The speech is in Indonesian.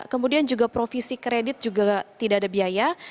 kemudian juga provisi kredit juga tidak ada biaya